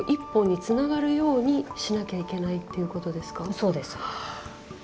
そうです。